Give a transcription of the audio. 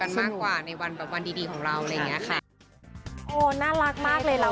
ธีมดำครับธีมสีดำครับ